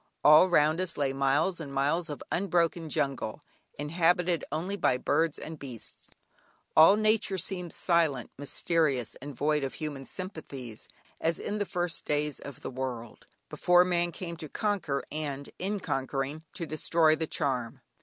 All round us lay miles and miles of unbroken jungle, inhabited only by birds and beasts; all nature seemed silent, mysterious, and void of human sympathies as in the first days of the world, before man came to conquer, and in conquering to destroy the charm.